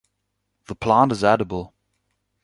The plant is edible.